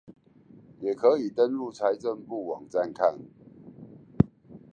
也可以登入財政部網站看